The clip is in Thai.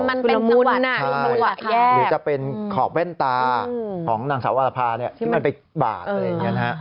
มันเป็นสมุนหรือจะเป็นขอกแว่นตาของนางสาวอรภาที่มันไปบาด